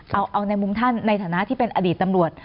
เอาในฐานะสำหรับมุมท่านที่เป็นอดีตตำรวจ